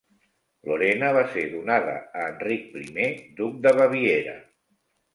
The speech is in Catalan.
Lorena va ser donada a Enric Primer, Duc de Baviera.